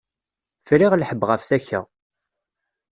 Friɣ lḥebb ɣef takka.